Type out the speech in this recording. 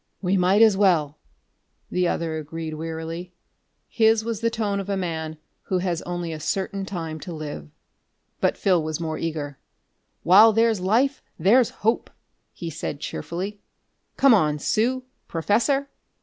"We might as well," the other agreed wearily. His was the tone of a man who has only a certain time to live. But Phil was more eager. "While there's life, there's hope," he said cheerfully. "Come on, Sue, Professor!"